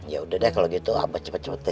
ya udah deh kalau gitu abah cepet cepet